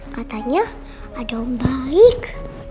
katanya ada om baik